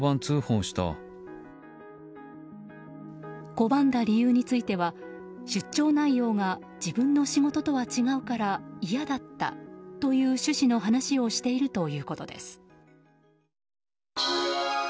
拒んだ理由については出張内容が自分の仕事とは違うから嫌だったという趣旨の話をしているということです。